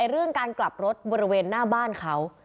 เรื่องการกลับรถบริเวณหน้าบ้านเขา